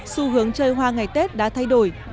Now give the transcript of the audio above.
xu hướng chơi hoa ngày tết đã thay đổi